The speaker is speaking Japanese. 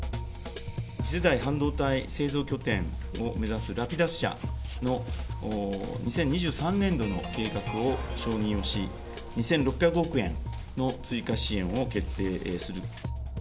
次世代半導体製造拠点を目指すラピダス社の２０２３年度の計画を承認をし、２６００億円の追加支援を決定する。